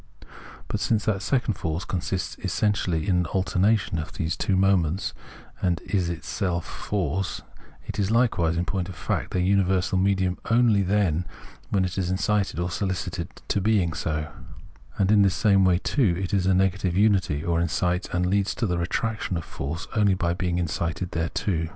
But since that second force con sists essentially in an alternation of these two moments and is itself force, it is likewise, in point of fact, their imiversal medium only then when it is incited or solicited to being so ; and in the same way, too, it is negative unity, or incites and leads to the retraction of force, only by being incited thereto.